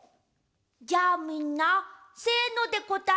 じゃあみんな「せの」でこたえよう。